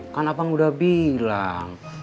kan abang udah bilang